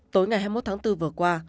tối ngày hai mươi một tháng bốn vừa qua